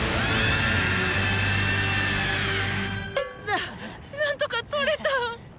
ななんとかとれた！